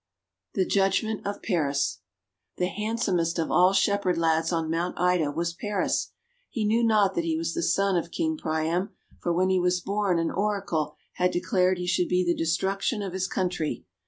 THE JUDGMENT OF PARIS THE handsomest of all Shepherd lads on Mount Ida was Paris. He knew not that he was the son of King Priam; for when he was born an Oracle had declared he should be the destruction of his country.